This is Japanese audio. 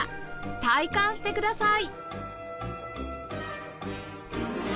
体感してください